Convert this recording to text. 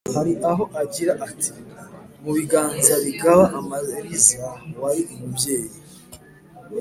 hari aho agira ati: << Mu biganza bigaba amariza wari umubyeyi